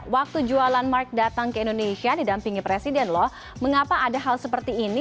waktu jualan mark datang ke indonesia didampingi presiden loh mengapa ada hal seperti ini